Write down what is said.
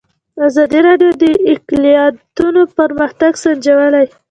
ازادي راډیو د اقلیتونه پرمختګ سنجولی.